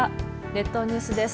列島ニュースです。